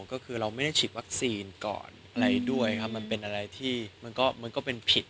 ก็คือเราไม่ได้ฉีดวัคซีนก่อนอะไรด้วยครับมันเป็นอะไรที่มันก็เป็นผิด